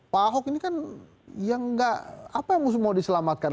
pak ahok ini kan yang nggak apa yang mau diselamatkan